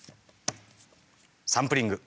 サンプリング。